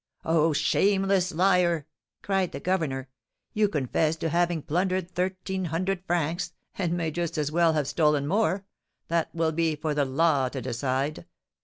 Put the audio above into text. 'Oh, shameless liar!' cried the governor; 'you confess to having plundered thirteen hundred francs, and may just as well have stolen more; that will be for the law to decide.